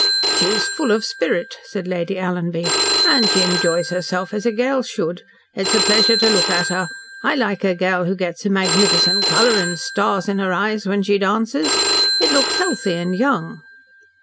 "She is full of spirit," said Lady Alanby, "and she enjoys herself as a girl should. It is a pleasure to look at her. I like a girl who gets a magnificent colour and stars in her eyes when she dances. It looks healthy and young."